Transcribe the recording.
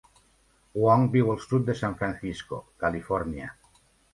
Wong viu al sud de San Francisco, Califòrnia.